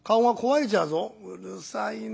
「うるさいね